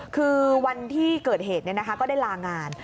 คือวันที่เกิดเหตุก็ได้ลางาน